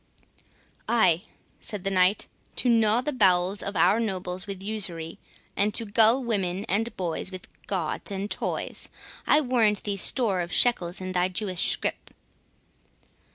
"Ay," said the Knight, "to gnaw the bowels of our nobles with usury, and to gull women and boys with gauds and toys—I warrant thee store of shekels in thy Jewish scrip."